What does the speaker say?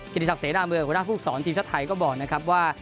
กิจกษักเสนาเมืองคุณภูกษ์สอนทีมชาติไทยก็บอกนะครับว่า